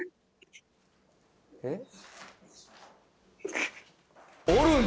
えっ。